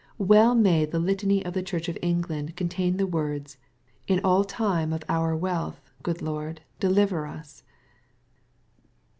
Well may the Litany of the Church of England contain the words, "In aU time of our wealth, good Lord, deliver us."'